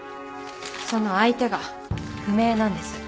その相手が不明なんです。